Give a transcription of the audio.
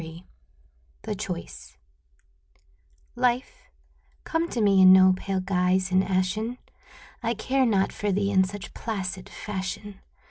103 THE CHOICE Life, come to me in no pale guise and ashen, I care not for thee in such placid fashion!